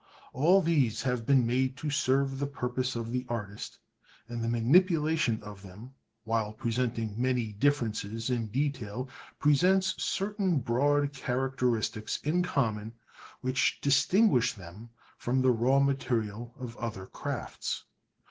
All these have been made to serve the purpose of the artist, and the manipulation of them, while presenting many differences in detail, presents certain broad characteristics in common which distinguish them from the raw material of other crafts.